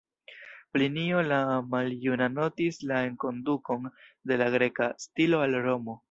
Plinio la maljuna notis la enkondukon de la greka stilo al Romo.